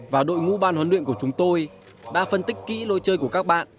và đội ngũ ban huấn luyện của chúng tôi đã phân tích kỹ lối chơi của các bạn